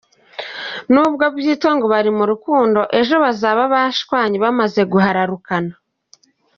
Nubwo byitwa ngo "bari mu rukundo",ejo bazaba bashwanye bamaze guhararukana.